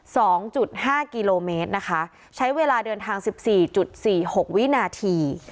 สองจุดห้ากิโลเมตรนะคะใช้เวลาเดินทางสิบสี่จุดสี่หกวินาที